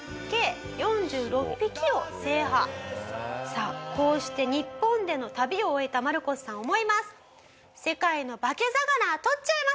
さあこうして日本での旅を終えたマルコスさん思います。